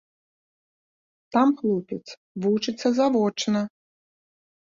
Там хлопец вучыцца завочна.